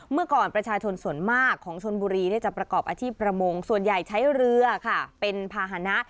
เมื่อก่อนประชาชนส่วนมากของชนบุรีจะประกอบอาชีพประมงส่วนใหญ่ใช้เรือค่ะเป็นภาษณะ